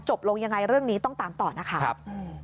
ลงยังไงเรื่องนี้ต้องตามต่อนะครับ